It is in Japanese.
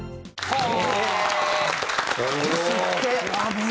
はい。